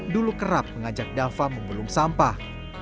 dulu kerap mengajak dava membelung sampah